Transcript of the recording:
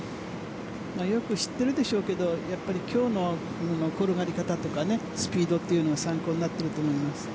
よく知っているでしょうけど今日の転がり方とかスピードというのが参考になっていると思います。